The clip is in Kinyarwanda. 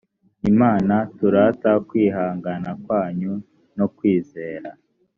imana turata kwihangana kwanyu no kwizera